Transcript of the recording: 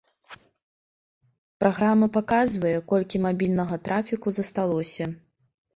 Праграма паказвае, колькі мабільнага трафіку засталося.